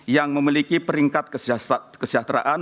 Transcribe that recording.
yang memiliki peringkat kesejahteraan